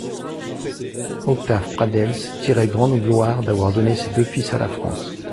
Octave Pradels tirait grande gloire d'avoir donné ses deux fils à la France.